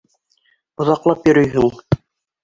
Оҙаҡлап йөрөйһөң!